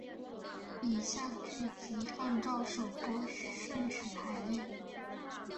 以下剧集按照首播顺序排列。